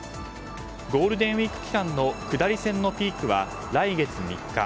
ゴールデンウィーク期間の下り線のピークは来月３日。